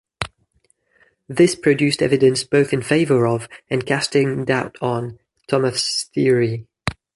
This produced evidence both in favour of, and casting doubt on, Thomas' theory.